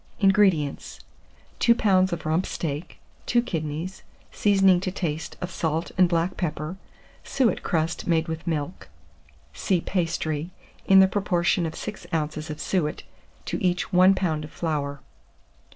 605. INGREDIENTS. 2 lbs. of rump steak, 2 kidneys, seasoning to taste of salt and black pepper, suet crust made with milk (see Pastry), in the proportion of 6 oz. of suet to each 1 lb. of flour.